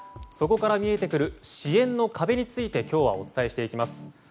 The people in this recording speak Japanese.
そこから見えてくる支援の壁について今日はお伝えしていきます。